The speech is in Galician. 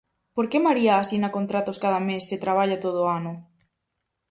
Por que María asina contratos cada mes se traballa todo o ano?